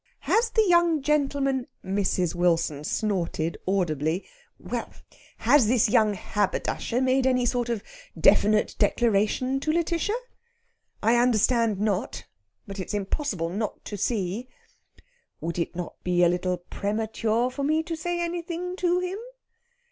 "Has the young gentleman?" Mrs. Wilson snorted audibly "Well, has this young haberdasher made any sort of definite declaration to Lætitia?" "I understand not. But it's impossible not to see." "Would it not be a little premature for me to say anything to him?"